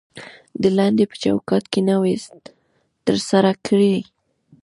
د لنډۍ په چوکات کې نوى تر سره کړى.